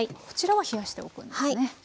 こちらは冷やしておくんですね。